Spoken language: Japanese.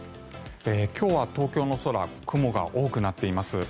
今日は東京の空雲が多くなっています。